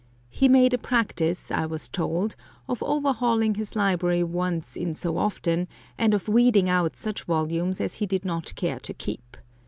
He made a practice, I was told, of overhauling his library once in so often and of weeding out such volumes as he did not care to keep.